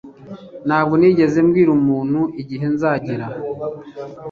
Ntabwo nigeze mbwira umuntu igihe nzagera